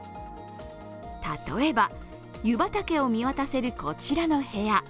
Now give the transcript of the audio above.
例えば、湯畑を見渡せるこちらの部屋。